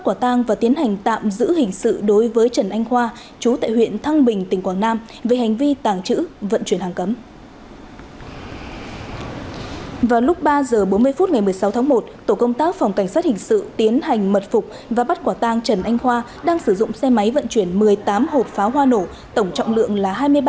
phòng cảnh sát hình sự công an tỉnh quảng nam vừa mật phẩm bắt quả tang và tiến hành tạm giữ hình sự đối với trần anh khoa chú tại huyện thăng bình tỉnh quảng nam về hành vi tàng trữ vận chuyển hàng cấm